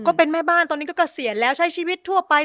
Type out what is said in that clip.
ก็เป็นแม่บ้านตอนนี้ก็เกษียณแล้วใช้ชีวิตทั่วไป